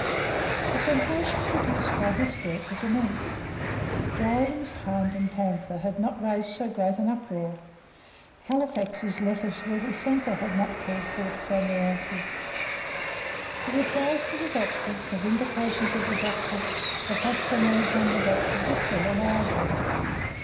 The sensation produced by this work was immense. Dryden's Hind and Panther had not raised so great an uproar. Halifax's Letter to a Dissenter had not called forth so many answers. The replies to the Doctor, the vindications of the Doctor, the pasquinades on the Doctor, would fill a library.